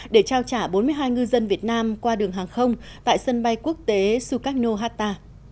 để trao trả bốn mươi hai ngư dân việt nam qua đường hàng không tại sân bay quốc tế sukarno hatta